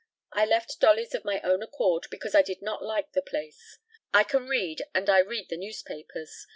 I left Dolly's of my own accord, because I did not like the place. I can read, and I read the newspapers.